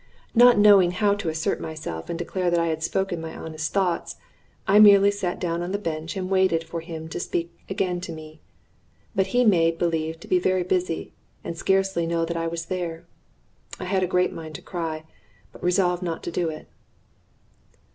Not knowing how to assert myself and declare that I had spoken my honest thoughts, I merely sat down on the bench and waited for him to speak again to me. But he made believe to be very busy, and scarcely to know that I was there. I had a great mind to cry, but resolved not to do it.